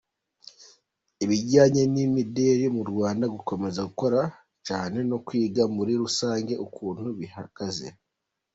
Ibijyanye n’imideli mu Rwanda gukomeza gukora cyane no kwiga Muri rusange ukuntu bihagaze.